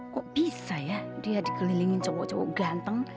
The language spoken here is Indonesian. kok bisa ya dia dikelilingi cowok cowok ganteng